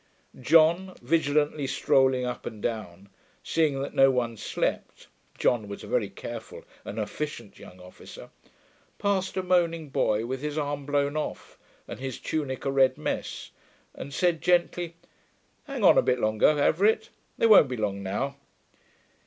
John, vigilantly strolling up and down, seeing that no one slept (John was a very careful and efficient young officer), passed a moaning boy with his arm blown off and his tunic a red mess, and said gently, 'Hang on a bit longer, Everitt. They won't be long now.'